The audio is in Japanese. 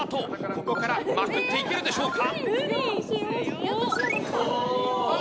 ここからまくっていけるでしょうか。